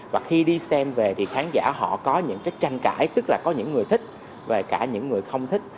và khi đi xem về thì khán giả họ có những cái tranh cãi tức là có những người thích và cả những người không thích